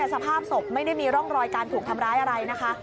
สภาพศพไม่ได้มีร่องรอยการถูกทำร้ายอะไรนะคะ